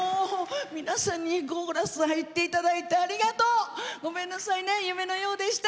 皆さんにコーラス入っていただいて、ありがとう。ごめんなさいね、夢のようでした。